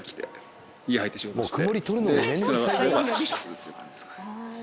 っていう感じですかね。